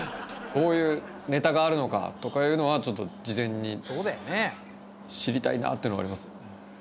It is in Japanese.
どういうネタがあるのかとかいうのはちょっと事前に知りたいなっていうのがありますね。